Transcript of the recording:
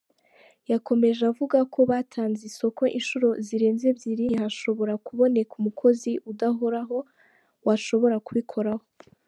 Yakomeje avuga ko batanze isoko inshuro zirenze ebyiri ntihashobora kuboneka umukozi udahoraho washobora kubikoraho.